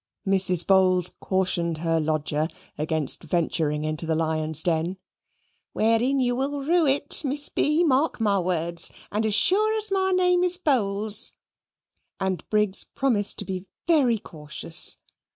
Mrs. Bowls cautioned her lodger against venturing into the lion's den, "wherein you will rue it, Miss B., mark my words, and as sure as my name is Bowls." And Briggs promised to be very cautious.